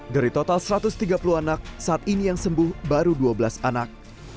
dari total satu ratus tiga puluh anak saat ini yang sembuh baru dua belas anak